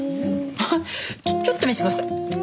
あっちょっと見せてください。